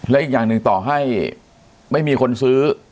และอีกอย่างหนึ่งต่อให้ไม่มีคนซื้อ